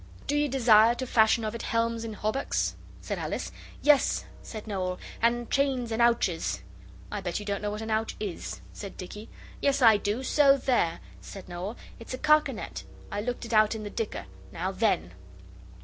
'Do ye desire to fashion of it helms and hauberks?' said Alice. 'Yes,' said Noel; 'and chains and ouches.' 'I bet you don't know what an "ouch" is,' said Dicky. 'Yes I do, so there!' said Noel. 'It's a carcanet. I looked it out in the dicker, now then!